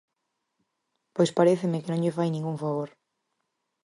Pois paréceme que non lle fai ningún favor.